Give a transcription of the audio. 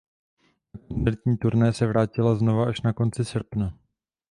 Na koncertní turné se vrátila znova až na konci srpna.